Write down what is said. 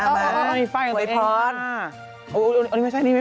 อ๋อมีไฟอย่างนั้น